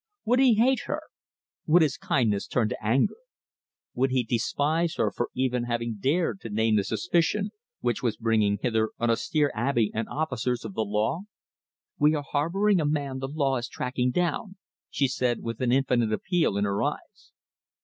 Would he hate her? Would his kindness turn to anger? Would he despise her for even having dared to name the suspicion which was bringing hither an austere Abbe and officers of the law? "We are harbouring a man the law is tracking down," she said with an infinite appeal in her eyes.